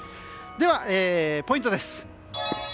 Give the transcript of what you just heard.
ではポイントです。